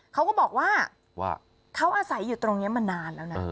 เขาก็บอกว่าเขาอาศัยอยู่ตรงนี้มานานแล้วนะ